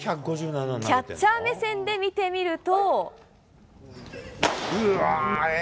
キャッチャー目線で見てみると。